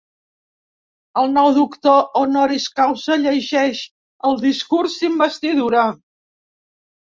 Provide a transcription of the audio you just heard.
El nou doctor honoris causa llegeix el discurs d'investidura.